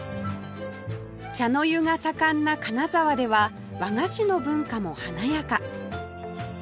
茶の湯が盛んな金沢では和菓子の文化も華やか